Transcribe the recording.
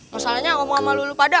masalahnya omong ama lu luluh pada